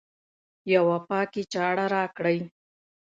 یوه پاکي چاړه راکړئ